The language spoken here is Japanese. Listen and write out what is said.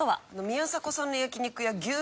宮迫さんの焼肉屋牛